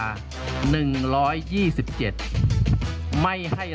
ไม่ให้เราปล่อย